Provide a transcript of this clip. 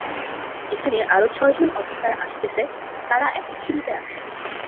এখানে আরও ছয়জন অফিসার আসতেছে, তারা এখন সিড়িতে আছে।